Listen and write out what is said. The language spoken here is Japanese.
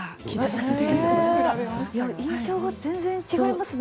印象が全然違いますね。